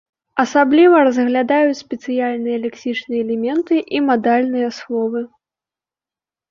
Асабліва разглядаюць спецыяльныя лексічныя элементы і мадальныя словы.